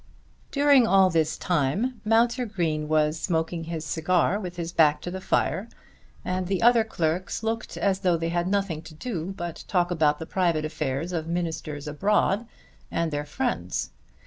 During all this time Mounser Green was smoking his cigar with his back to the fire, and the other clerks looked as though they had nothing to do but talk about the private affairs of ministers abroad and their friends.